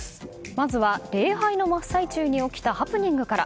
まずは礼拝の真っ最中に起きたハプニングから。